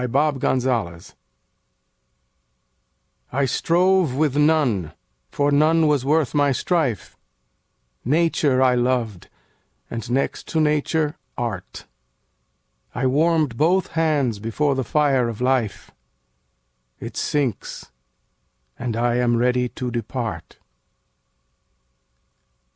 9 Autoplay I strove with none, for none was worth my strife: Nature I loved, and, next to Nature, Art: I warm'd both hands before the fire of Life; It sinks; and I am ready to depart.